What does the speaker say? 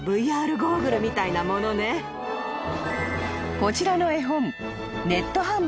［こちらの絵本］